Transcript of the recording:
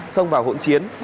xông vào hỗn chiến